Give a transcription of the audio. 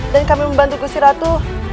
dan kami membantu gusti ratu